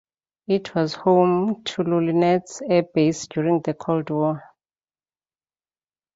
It was home to Luninets air base during the Cold War.